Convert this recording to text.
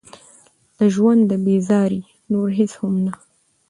له ژونده بېزاري نور هېڅ هم نه.